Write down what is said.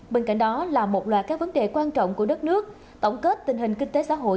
bên cạnh đó là một loạt các vấn đề quan trọng của đất nước tổng kết tình hình kinh tế xã hội